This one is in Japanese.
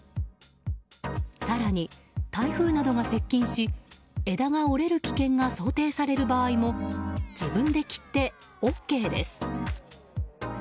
更に台風などが接近し枝が折れる危険が想定される場合も自分で切ってＯＫです。